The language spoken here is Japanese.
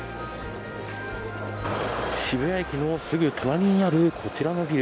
渋谷駅のすぐ隣にあるこちらのビル。